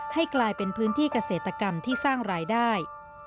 ให้กลายเป็นพื้นที่เกษตรกรรมที่สร้างรายได้